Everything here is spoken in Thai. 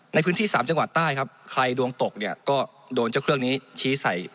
ในพื้นที่สามจังหวัดใต้ครับใครดวงตกเนี่ยก็โดนเจ้าเครื่องนี้ชี้ใส่